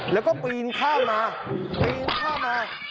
แล้วก็ปีนข้ามมาปีนข้ามมา